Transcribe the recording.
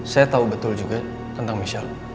saya tahu betul juga tentang michelle